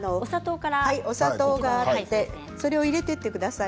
お砂糖があってそれを入れていってください